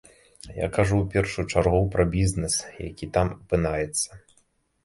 Я кажу ў першую чаргу пра бізнес, які там апынаецца.